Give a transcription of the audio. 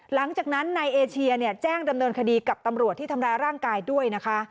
หลังจากนั้นนายเอเชียแจ้งดำเนินคดีกับตำรวจที่ทำร้ายร่างกายด้วยนะคะ